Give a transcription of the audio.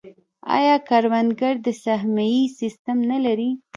آیا کروندګر د سهمیې سیستم نلري؟